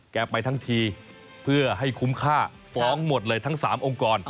ไปทั้งทีเพื่อให้คุ้มค่าฟ้องหมดเลยทั้ง๓องค์กร